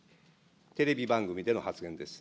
テレビ番組での発言です。